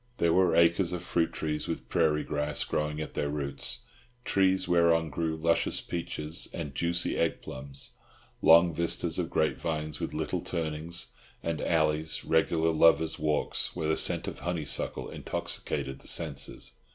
There were acres of fruit trees, with prairie grass growing at their roots, trees whereon grew luscious peaches and juicy egg plums; long vistas of grapevines, with little turnings and alleys, regular lovers' walks, where the scent of honeysuckle intoxicated the senses.